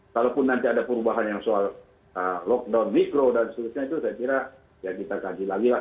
kalaupun nanti ada perubahan yang soal lockdown mikro dan sebagainya itu saya kira ya kita kaji lagi lah